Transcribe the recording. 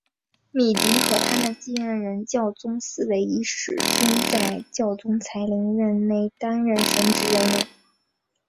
米迪和他的继任人教宗思维一世均在教宗才林任内担任神职人员。